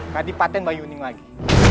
tadi paten bayuni lagi